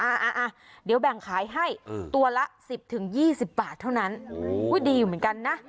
อ่ะเดี๋ยวแบ่งขายให้ตัวละ๑๐๒๐บาทเท่านั้นดีอยู่เหมือนกันนะ